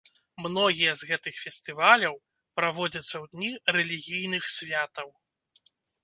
Многія з гэтых фестываляў праводзяцца ў дні рэлігійных святаў.